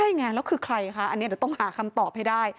ใช่ไงแล้วคือใครคะอันนี้เดี๋ยวต้องหาคำตอบให้ได้